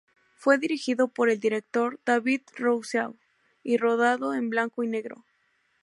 Fue dirigido por el director David Rousseau y rodado en blanco y negro.